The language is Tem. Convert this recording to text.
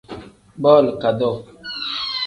Booli kadoo.